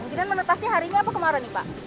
mungkinan menetasnya hari ini apa kemarin pak